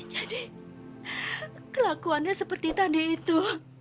kelakuannya seperti tadi itu